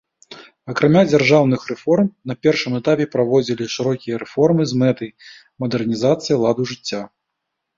Акрамя дзяржаўных рэформ на першым этапе праводзілі шырокія рэформы з мэтай мадэрнізацыі ладу жыцця.